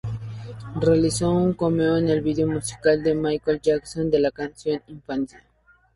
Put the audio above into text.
Realizó un cameo en el video musical de Michael Jackson de la canción "Infancia".